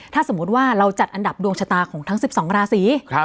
ถ้าสมมุติว่าเราจัดอันดับดวงชะตาของทั้ง๑๒ราศี